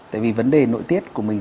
tại vì vấn đề nội tiết của mình